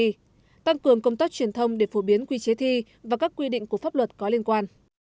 thứ ba tăng cường công tất truyền thông để phổ biến quy chế thi và các quy định của pháp luật có liên quan